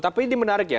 tapi ini menarik ya